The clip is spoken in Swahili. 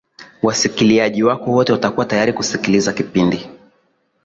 wasikiliaji wako wote watakuwa tayari kusikiliza kipindi